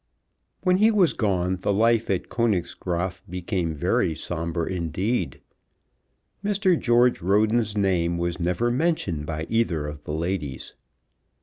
When he was gone the life at Königsgraaf became very sombre indeed. Mr. George Roden's name was never mentioned by either of the ladies.